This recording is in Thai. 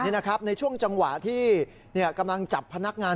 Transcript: ในช่วงจังหวะที่กำลังจับพนักงาน